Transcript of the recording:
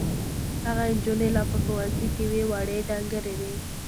هغه نجونې لا په ښوونځي کې وې وړې ډنګرې وې.